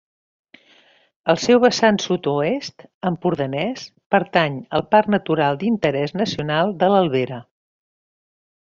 El seu vessant sud-oest, empordanès, pertany al Parc Natural d'Interès Nacional de l'Albera.